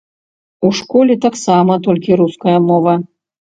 У школе таксама толькі руская мова.